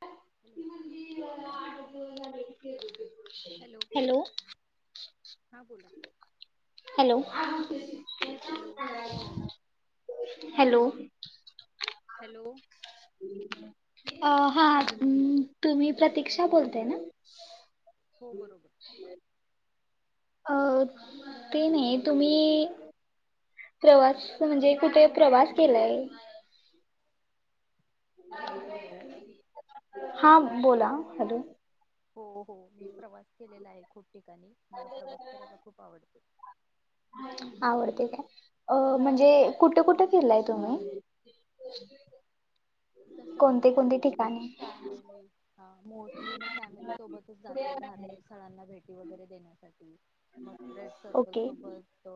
[inaudible] [unintelligible] Hello हां बोला की हॅलो. हॅलो. हॅलो. हॅलो अ हा तुम्ही प्रती प्रतीक्षा बोलताय ना? हो बरोबर अ ते नाही तुम्ही प्रवास म्हणजे कुठे प्रवास केलाय? हॅलो [unintelligible] हा बोला हॅलो. हो हो मी प्रवास केलेला आहे खूप ठिकाणी मला प्रवास करायला खूप आवडतो. आवडते काय अ म्हणजे कुठं कुठं फिरलाय तुम्ही? जसं कोणते कोणते कि म्हणजे मी ठिकाणी फ्मैली मिळली हा. मोस्टली मी फॅमिली सोबतच जाते धार्मिक स्थळांना भेटी वगैरे देण्यासाठी मग फ्रेंड सर्कल ओके सोबत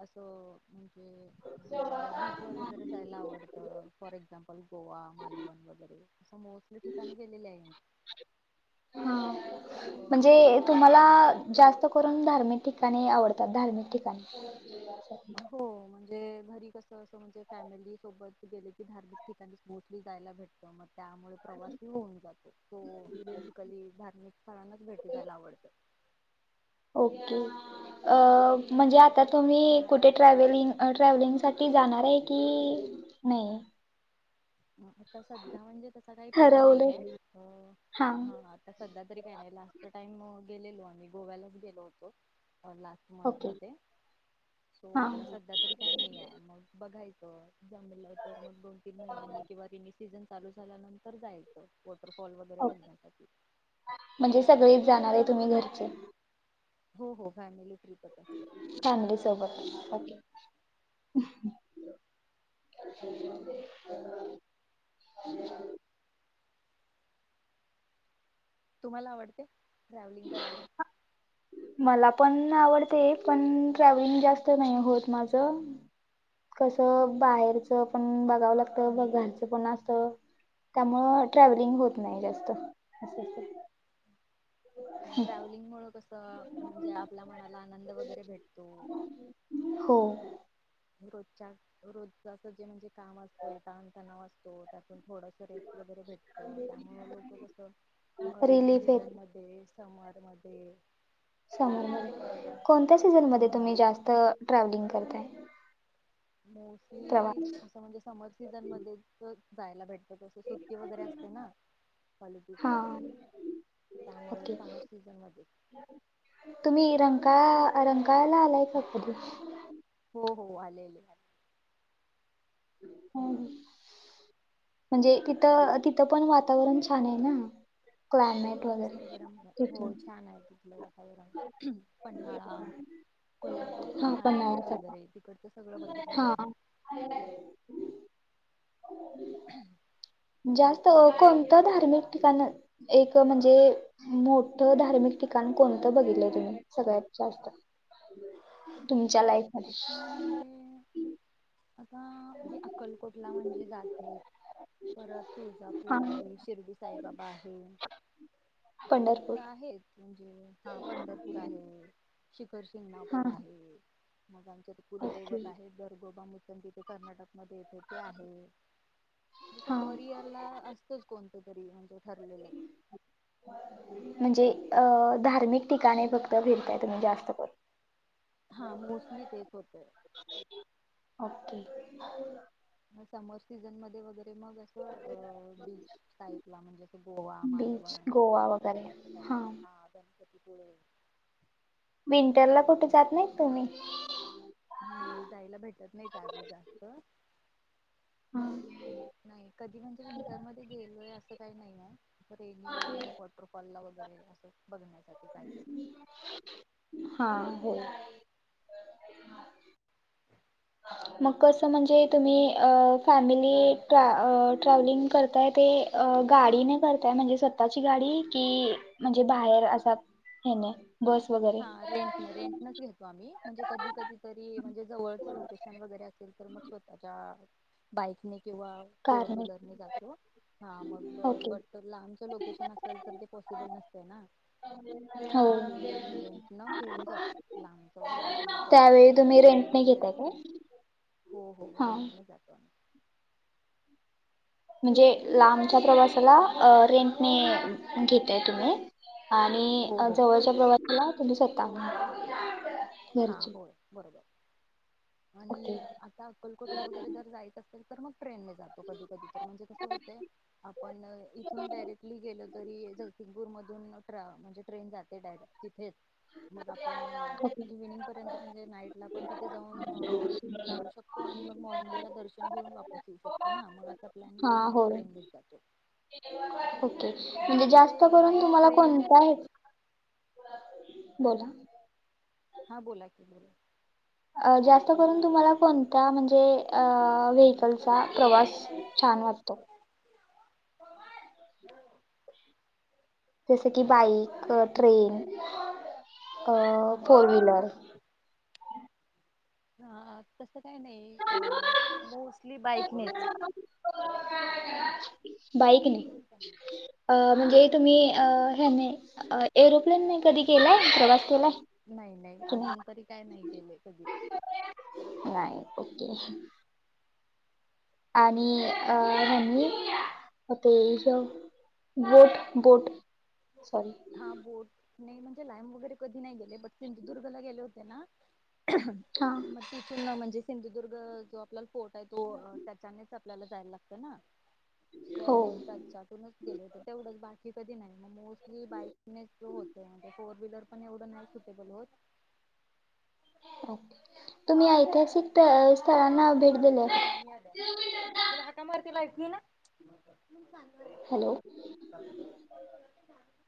असं मला बीच वर वगैरे जायला आवडतं फॉर एक्झाम्पल. गोवा मालवण वगैरे अस मोस्टली ठिकाणी गेलेले आहे मी. म्हणजे तुम्हाला जास्त करून धार्मिक ठिकाणी आवडतात धार्मिक ठिकाणी? हो म्हणजे घरी कसं असं म्हणजे फॅमिली सोबत गेले की धार्मिक ठिकाणी मोस्टली जायला भेटतं मग त्यामुळे प्रवासही होऊन जातो तो बेसिकली धार्मिक स्थळांनाच भेटी जायला आवडत ओके अ म्हणजे आता तुम्ही कुठे ट्रॅव्हलिंगसाठी जाणार आहे की नाही? आता सध्या म्हणजे तसा काही प्लॅन नाही ठरवलं आहे हा आता सध्या तरी काही नाही लास्ट टाईम गेलेलो आणि गोव्यालाच गेलो होतो. लास्ट मंथ ओके मध्ये सो हा आता सध्या तरी काय नाही आहे मग बघायचं जमलेलं तर मग दोन तीन महिन्यांनी किंवा तिनी सीझन चालू झाल्यानंतर जायलच रफॉल वगैरे ओके बघण्यासाठी म्हणजे सगळेच जाणार तुम्ही घरचे हो हो फॅमिली ट्रिपच असते फॅमिली सोबत तुम्हाला आवडते ट्रॅव्हलिंग करायला मला पण आवडते पण ट्रॅव्हलिंग जास्त नाही होत माझ कसं बाहेरचं पण बघावं लागतं घरचं पण असत त्यामुळं ट्रॅव्हलिंग होत नाही जास्त असं ट्रॅव्हलिंग मुळून कसं म्हणजे आपल्या मनाला आनंद वगैरे भेटतो हो रोजच्या रोज अस जे म्हणजे कामचमचा ताण ताना तो [unintelligible] थोडस रेट वगैरे भेटत त्यामुळे लोक कस रेनी रिलीफ येत सीझन मध्ये समर मधे - कोणत्या सीझन मधे हम्म तुम्ही जास्त ट्रॅव्हलिंग करता? ते मोस्टली -असं म्हणजे समर सीझनमध्ये- जायला भेट- कस सुट्टी वगैरे असते ना? कॉलजेस हा वगैरे त्यामुळे ओके समर सीझन मध्ये. का रंंकाळाला आलायत का कधी? हो हो आलेलेले. ह. म्हणजे तिथं, तिथं पण वातावरण छान आहे ना? हो. क्लायमेट वगैरे निसर्गरम्य. हो तिथून छान आहे तिथलं वातावरण पन्हाळा कोल्हापूरची हा महालक्ष्मी पन्हाळ्याचा वगैरे तिकडच सगळ बघितलेलं हा आहे. हो. हम्म. जास्त कोणतं धार्मिक ठिकाण, एक म्हणजे मोठ धार्मिक ठिकाण कोणतं बघितलं तुम्ही सगळ्यात जास्त? च्या असं म्हणजे लाईफमध्ये - आता मी अक्कलकोटला म्हणजे जाते. परत हा तुळजापूर आहे, शिर्डी साईबाबा आहे. पंढरपूर आहे- हा पंढरपूर आहे. - श खर हा शिंगणापूर आहे. मग आमच्यात ओके कुलदैवत आहे दरगोबा- पण तिथे कर्नाटक- मध्ये येते ते आहे जस हा परिअर ला असतच कोणतं- करी म्हणजे - ठरलेलं. म्हणजे अ -धार्मिक ठिकाणी फक्त फिरता तुम्ही जास्त करून. हा मोस्टली तेच होतय. ओके. समर सीझन मध्ये वगैरे- ते मग असं अ -बीच टाईपला म्हणजें गोवा, बीच मालवण गोवा वगैरे सिंधूदुर्ग अस काय हा तरी- [unintelligible] मिन- असत नाही. जायला भेटत नाही त्यावेळी जास्त- हा माहीत नाही. कधी म्हणजे विंटरमध्ये गेलोय अस- अस काही नाही ना? रेनीमध्ये म वॉटरफॉल ला वगैरे असं बघण्यासाठी काहीतरी- हा हो. मग कसं म्हणजे तुम्ही फॅमिली ट्रॅव्हलिंग करताय ते गाडीने करताय म्हणजे स्वतःची गाडी कि म्हणजे बाहेर अस हेन हा रेंट रेंट नच घेतो आम्ही म्हणजे कधी कधी तरी म्हणजे जवळ लोकेशन वगैरे असेल तर मग स्वतःच्या बाईकने किंवा फोर कारने व्हीलरने जातो हा मग ओके बट लांबच लोकेशन असेल तर ते पॉसिबल नसत ना हो मग ते आम्ही रेंट न घेऊन जाते लांबच वगैरे असेल तर फॉर त्यावेळी एक्झाम्पल तुम्ही शिर्डी रेंटने वगैरे घेताय असेल काय हो हो हा रेंट ने जातो आम्ही म्हणजे लांबच्या प्रवासाला रेंटने घेताय तुम्ही आणि हो हो जवळच्या प्रवासाला आणि सत्तावन हा होय बरोबर ओके आणि आता अक्कलकोटला वगैरे जर जायच असेल तर म ट्रेने जातो कधी कधी तर म्हणजे कसं होतय आपण इथून डायरेक्टली गेलो तरी जगसिंगपूर मधून आच्छा म्हणजे ट्रेन जाते डायरेक्ट तिथेच मग आपण ओके इव्हनिंग पर्यंत म्हणजे नाईटला पण तिथे जाऊन राहू शकतो आणि मग मॉर्निंगला दर्शन घेऊन वापरत त [inaudible] मग प्लॅन करून मग ट्रेननेच जातो ओक म्हणजे जास्त म्हणजे करून बाईक तुम्हाला ट्रेन कोणता हे बोला हा बोला की बोला जास्त करून तुम्हाला कोणत्या म्हणजे व्हीकलचा प्रवास छान वाटतो जस की बाईक ट्रेन अ फोर व्हीलर हा तस बाईकनेच बाईक नाही अ म्हणजे तुम्ही अ ह्याने एरोप्लेनने कधी केलाय प्रवास केला नाही नाही अजून तरी काय नाही केले कधी नाही ओके आणि अ हनी होते बोट बोट सॉरी हा बोट नाही म्हणजे लाईम वगैरे कधी नाही गेले बट सिंधुदुर्गला गेले होते ना हां म त सु ना म्हण ज सिंधुदुर्ग जो आपल्याला आहे तो त्या आपल्याला जायला लागत ना हो सो मग त्याच्च्यातूनच गेले होते तेवढंच बाकी कधी नाही मोस्टली बाईकने जो होते म्हे फोर व्हीलर पण एवढं नाही सुटेबल होत तुम्ही ऐतिहासिक स्थळांना भेट दिल्या का हो तुला हका मारती ला क ना हॅलो [unintelligible]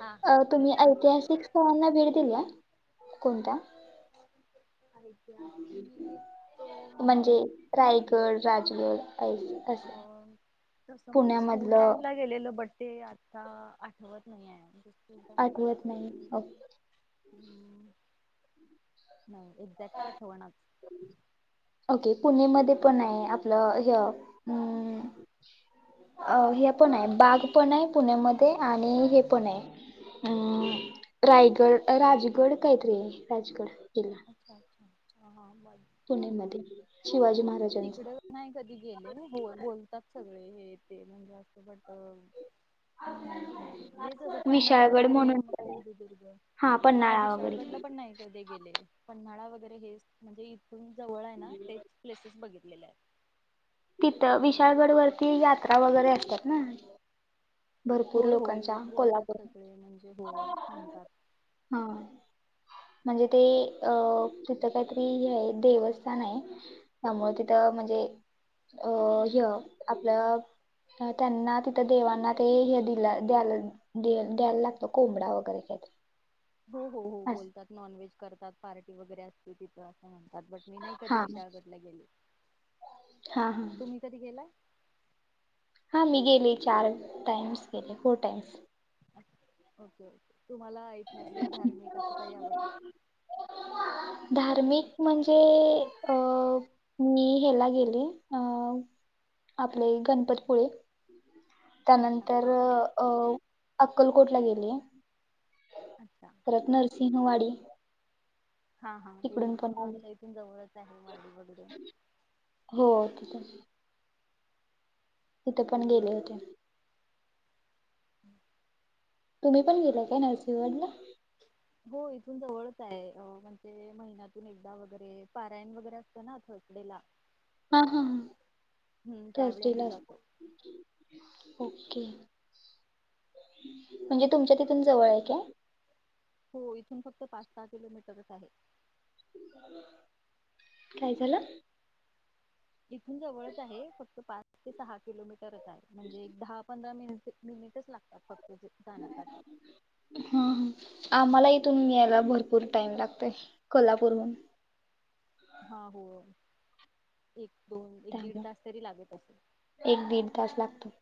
हा हा अ तुम्ही ऐतिहासिक स्थळांना भेट दिली कोणत्या ऐतिहासिक म्हणजे रायगड राजगड ऐस- असं तस मग स्कूल टाइम पुण्यामधलं ला गेलेल बडे आता होत नाही आहे आठवत तताकध नाही ओके हम् नाही एक्झॅक्ट आठवणच ओके पुणेमध्ये पण आहे आपलं हम् अ हे पण आहे बाग पण आहे पुण्यामध्ये आणि हे पण आहे अम रायगड राजगड काहीतरी राजगड अच्छा अच्छा ह हा ब पुणेमध्ये तिकड नाही कधी गेले बोलतात सगळे हे तेहुन जास्त वाट नाही कधी हेच असं पन्हाळा विशाळगड वगैरे म्हणून मग पण आहे सिंधुदुर्ग हा पन्हाळा वगैरे विशाळगडला पण नाही कधी गेले पन्हाळा वगैरे [unintelligible] तुम जवळ आहे ना तेच प्लेसेस बघितलेल्या हायत विशाळगड वरती यात्रा वगैरे असतात ना भरपूर होय होय लोकांच्या लोक बोलतात कोल्हापूर सगळे म्हणजे होय म्हणतात हा म्हणजे ते अं तिथं काहीतरी हे देवस्थान हाय त्यामुळे तिथ म्हणजे अ हे आपलं त्यांना तिथं देवांना हे दिला द्यायला द्यायला लागतं कोंबडा वगैरे काहीतरी हो हो हो अस बोलतात नॉन व्हेज करतात पार्टी वगैरे असते तिथं असं म्हण तातपट मी नाही कधी हा विशाळगडला गेले हा हा तुम्ही कधी गेलाय हा मी गेले चार टाइम्स गेले फोर टाइम्स ओके ओके मला ऐतिहासिक धार्मिक असं काही आवडत धार्मिक म्हणजे अ मी ह्याला गेली अ आपले गणपतीपुळे अच्छा त्यानंतर हा अ अक्कलकोट ला गेलेय अच्छा परत नरसिंहवाडी हा हा हे तिकडून पण इथुन आले. आमच्या इथुन जवळच आहे वाडी वगैरे हो तिथं तिथं पण गेले होते [inaudible] तुम्ही पण गेला काय नृसिंहवाडीला हो इथून जवळच आहे म्हणजे महिन्यातून एकदा वगैरे पारायण वगैरे असते ना थर्सडे ला हा हा हा त्यावेळी थर्सडे ला आम्ही अस जातो ओके म्हणजे तुमच्या तिथून जवळ हाय का हो इथून फक्त पाच सहा किलोमीटरच आहे काय झालं इथून जवळच आहे फक्त पाच ते सहा किलोमीटरच आहे म्हणजे एक दहा पंधरा मिनिट मिनिटच लाग आत्ता तुझे धान्यासाठी हा आम्हाला इथून यायला भरपूर टाईम लागतोय कोल्हापूरहून हा होय एक दोन एक दीड त्यामुळं तास तरी लागत असेल एक दीड तास लागतोय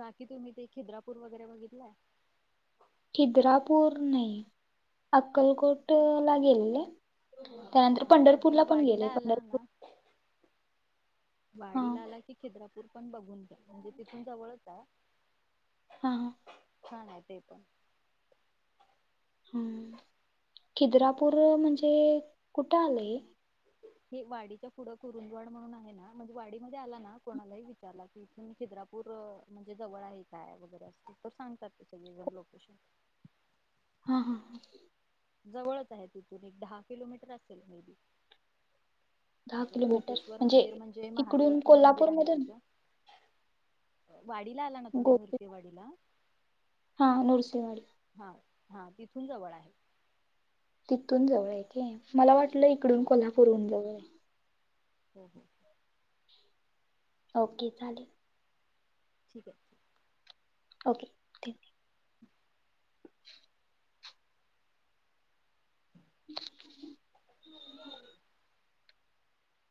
बाकी तुम्ही ते खिद्रापूर वगैरे बघितलंय खिद्रापूर नाही अक्कलकोट ला गेलेले त्यानंतर नाही पंढरपूर ला कधी पण वाडीला गेले आला पंढरपूर ना हा वाडीला आला की खिद्रापूर- पण बघ - [inaudible] म्हणजे तिथून जवळच आहे. हा -हा - छान आहे ते पण. हम्म खिद्रापूर म्हणजे कुठे आलंय हे? हे वाडीच्या पुढं कुरुंदवाड म्हणून आहे ना, म्हणजे वाडी मध्ये आला ना कोणालाही विचारला की, इथून खिद्रापूर म्हणजे जवळ आहे काय? वगैरे अस तर, सांगतात ते सगळेजण लोकेशन. हा -हा - जवळच आहे तिथून एक दहा किलोमीटर असेल मेदी दहा किलोमीटर कोपेश्वर मंदिर म्हणजे इकडून महादेवच मंदिर आहे. कोल्हापूरमधून तिथ [inaudible] वाडीला आला ना तुम्ही गोपी [unintelligible] वाडीला - [unintelligible] हा-हा तिथून जवळ आहे. तिथून जवळ आहे के मला वाट - आपलं इकडून कोल्हापूरहून जवळ आहे. हम्म हम्म ओके चालेल. ठीक आहे. ओके ठेवते. [inaudible] [inaudible] [inaudible]